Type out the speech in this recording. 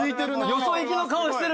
よそ行きの顔してる。